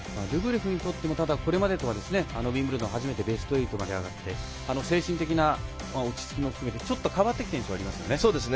ルブレフにとってもこれまでとはウィンブルドン初めてベスト８まで上がって精神的な落ち着きも含めてちょっと変わってきましたね。